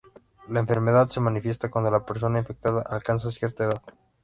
La enfermedad se manifiesta cuando la persona infectada alcanza cierta edad.